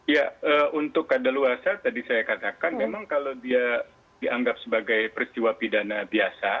ya untuk kadaluasa tadi saya katakan memang kalau dia dianggap sebagai peristiwa pidana biasa